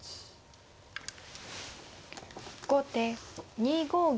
後手２五銀。